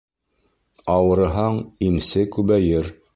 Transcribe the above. Ауырыһаң, имсе күбәйер.